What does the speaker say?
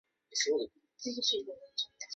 交通中心。